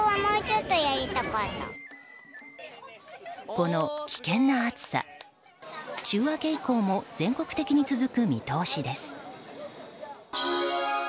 この危険な暑さ、週明け以降も全国的に続く見通しです。